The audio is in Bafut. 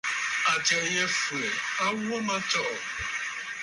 Àtsə̀ʼə̀ yî fwɛ̀ a wo mə tsɔ̀ʼɔ̀.